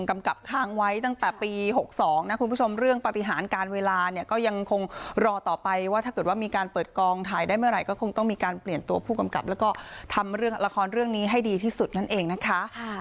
กำกับข้างไว้ตั้งแต่ปี๖๒นะคุณผู้ชมเรื่องปฏิหารการเวลาเนี่ยก็ยังคงรอต่อไปว่าถ้าเกิดว่ามีการเปิดกองถ่ายได้เมื่อไหร่ก็คงต้องมีการเปลี่ยนตัวผู้กำกับแล้วก็ทำเรื่องละครเรื่องนี้ให้ดีที่สุดนั่นเองนะคะ